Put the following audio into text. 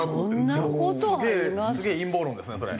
すげえ陰謀論ですねそれ。